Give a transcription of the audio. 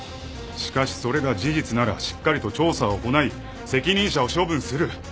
しかしそれが事実ならしっかりと調査を行い責任者を処分する。